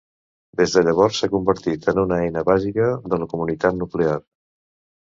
Des de llavors s'ha convertit en una eina bàsica de la comunitat nuclear.